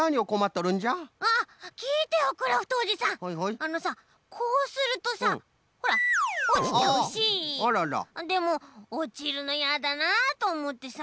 あのさこうするとさほらおちちゃうしでもおちるのやだなとおもってさ